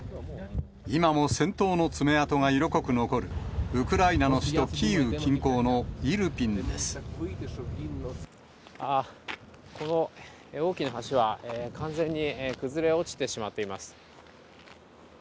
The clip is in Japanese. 今も戦闘の爪痕が色濃く残る、ウクライナの首都キーウ近郊のイこの大きな橋は、完全に崩れ落ちてしまっています。